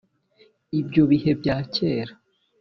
ibyo bihe bya kera